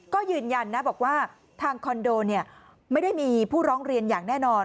ก็ยืนยันนะบอกว่าทางคอนโดไม่ได้มีผู้ร้องเรียนอย่างแน่นอน